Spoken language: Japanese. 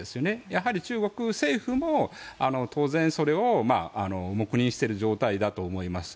やはり中国政府も当然、それを黙認している状態だと思います。